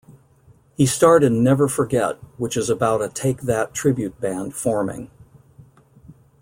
He starred in "Never Forget" which is about a Take That tribute band forming.